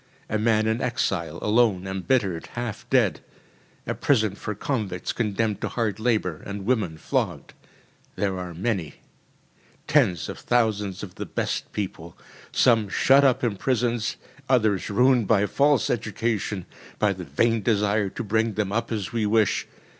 A man in exile, alone, embittered, half dead. A prison for convicts condemned to hard labour, and women flogged. They are many. Tens of thousands of the best people. Some shut up in prisons, others ruined by false education, by the vain desire to bring them up as we wish.